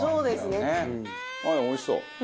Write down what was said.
でもおいしそう。